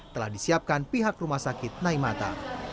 telah disiapkan pihak rumah sakit naimata